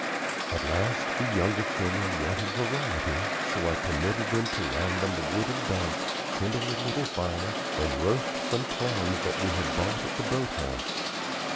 At last the younger children wanted variety, so I permitted them to land on the wooded bank, kindle a little fire, and roast some clams that we had bought at the boat house.